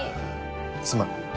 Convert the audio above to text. すまん。